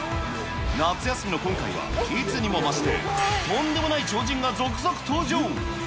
夏休みの今回は、いつにも増して、とんでもない超人が続々登場。